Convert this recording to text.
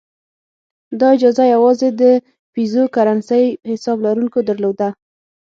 دا اجازه یوازې د پیزو کرنسۍ حساب لرونکو درلوده.